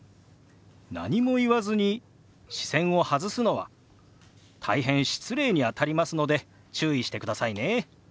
何も言わずに視線を外すのは大変失礼にあたりますので注意してくださいね。